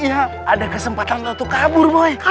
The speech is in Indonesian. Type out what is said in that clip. iya ada kesempatan untuk kabur woy